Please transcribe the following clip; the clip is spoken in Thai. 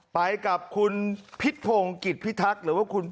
ไปกับคุณพิธพงห์กิดพิธรรมณ์